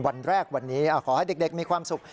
วันแรกวันนี้ขอให้เด็กมีความสุข